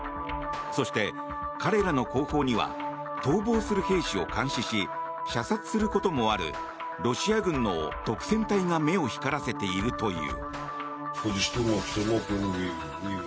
そして、彼らの後方には逃亡する兵士を監視し射殺することもあるロシア軍の督戦隊が目を光らせているという。